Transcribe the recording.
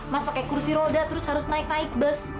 mas pakai kursi roda terus harus naik naik bus